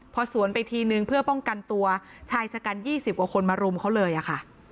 พอสวนไปทีนึงเพื่อป้องกันตัวชายชะกัน๒๐กว่าคนมารุมเขาเลยอะค่ะ